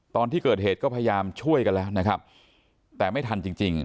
ตอนที่เกิดเหตุก็พยายามช่วยกันแล้วนะครับแต่ไม่ทันจริงจริง